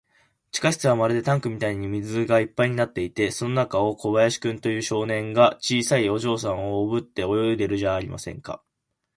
地下室はまるでタンクみたいに水がいっぱいになっていて、その中を、この小林君という少年が、小さいお嬢さんをおぶって泳いでいるじゃありませんか。